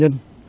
cũng như là